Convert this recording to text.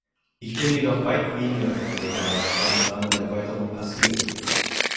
Ich bin jedoch weit weniger erfreut über das, was im Rahmen der Erweiterung passiert.